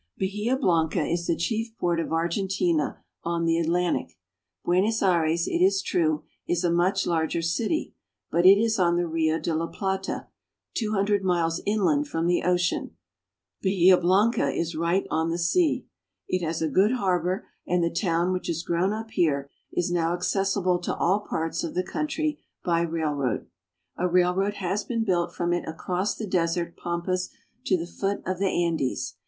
Bahia Blanca is the chief port of Argentina on the Atlantic. Buenos Aires, it is true, is a much larger city, but it is on the Rio de la Plata, two hundred miles inland from the ocean. Bahia Blanca is right on the sea. It has a good harbor, and the town which has grown up here is now accessible to all parts of the country by railroad. A railroad has been built from it across the desert pampas to the foot of the Andes.